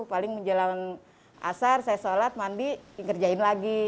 paling menjelang asar saya sholat mandi ngerjain lagi